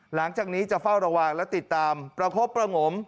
หลังจากนี้จะเฝ้าระวังและติดตามประคบประงม